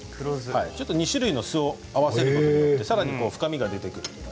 ちょっと２種類の酢を合わせることによってさらに深みが出てくるので。